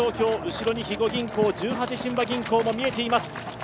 後ろに肥後銀行十八親和銀行も見えています。